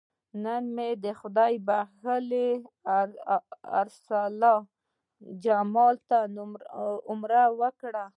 نن مې خدای بښلي ارسلا جمال ته عمره وکړه.